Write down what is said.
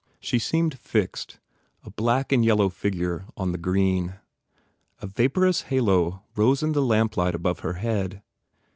She seemed fixed, a black and yellow figure on the green. A vaporous halo rose in the lamplight above her head.